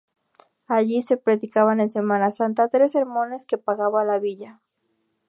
Allí se predicaban en Semana Santa tres sermones que pagaba la villa.